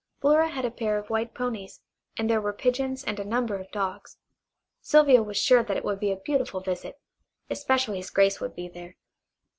Flora had a pair of white ponies, and there were pigeons, and a number of dogs. Sylvia was sure that it would be a beautiful visit, especially as Grace would be there.